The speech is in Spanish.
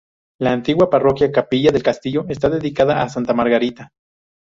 La antigua parroquia, capilla del castillo, está dedicada a Santa Margarita.